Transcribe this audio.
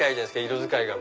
色使いが。